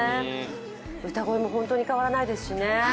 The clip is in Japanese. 歌声も本当に変わらないですしね。